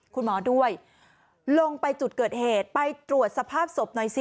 คุณหมอด้วยลงไปจุดเกิดเหตุไปตรวจสภาพศพหน่อยสิ